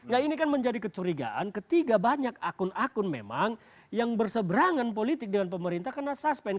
nah ini kan menjadi kecurigaan ketika banyak akun akun memang yang berseberangan politik dengan pemerintah karena suspend